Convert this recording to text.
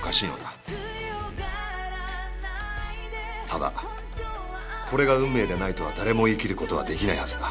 「ただこれが運命でないとは誰も言い切ることはできないはずだ」